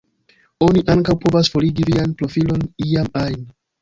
Oni ankaŭ povas "forigi" vian profilon iam ajn.